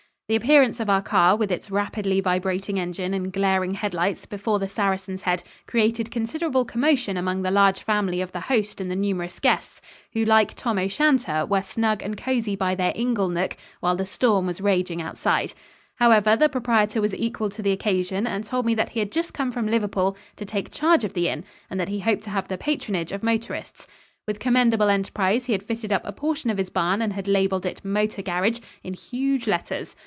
The appearance of our car with its rapidly vibrating engine and glaring headlights before the Saracen's Head created considerable commotion among the large family of the host and the numerous guests, who, like Tam O' Shanter, were snug and cozy by their inglenook while the storm was raging outside. However, the proprietor was equal to the occasion and told me that he had just come from Liverpool to take charge of the inn and that he hoped to have the patronage of motorists. With commendable enterprise he had fitted up a portion of his barn and had labeled it "Motor Garage" in huge letters.